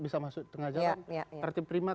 bisa masuk di tengah jalan tertib prima